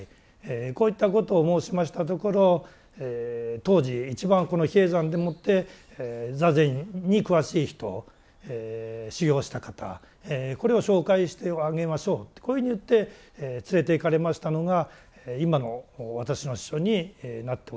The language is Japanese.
こういったことを申しましたところ当時一番この比叡山でもって座禅に詳しい人修行した方これを紹介してあげましょうってこういうふうに言って連れて行かれましたのが今の私の師匠になっております